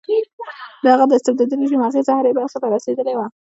د هغه د استبدادي رژیم اغېزه هرې برخې ته رسېدلې وه.